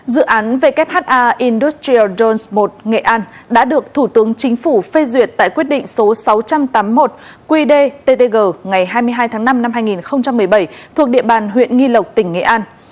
dự án wh industrial johns một nghệ an đã được thủ tướng chính phủ phê duyệt tại quyết định số sáu trăm tám mươi một qdttg ngày hai mươi hai tháng năm năm hai nghìn một mươi bảy thuộc địa bàn huyện nghi lộc tỉnh nghệ an